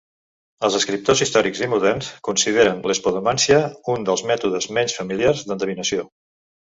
Els escriptors històrics i moderns consideren l'espodomància un dels mètodes menys familiars d'endevinació.